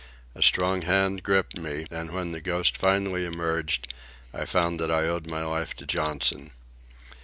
A strong hand gripped me, and when the Ghost finally emerged, I found that I owed my life to Johnson.